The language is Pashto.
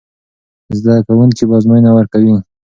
زده کوونکي به ازموینه ورکوي.